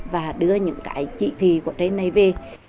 và đưa những cái trị phì của đây này về